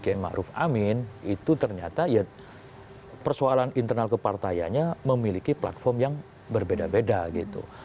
pak jokowi jk ma'ruf amin itu ternyata ya persoalan internal kepartaianya memiliki platform yang berbeda beda gitu